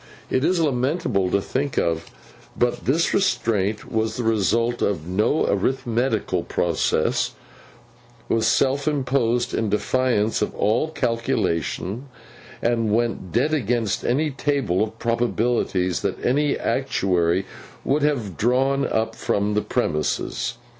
It is lamentable to think of; but this restraint was the result of no arithmetical process, was self imposed in defiance of all calculation, and went dead against any table of probabilities that any Actuary would have drawn up from the premises.